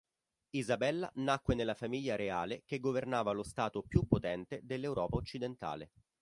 Isabella nacque nella famiglia reale che governava lo stato più potente dell'Europa occidentale.